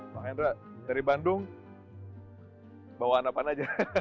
pak hendra dari bandung bawaan apaan aja